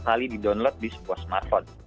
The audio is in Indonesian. kali di download di sebuah smartphone